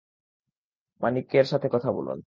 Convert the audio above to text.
মানিকমের সাথে কথা বলুন।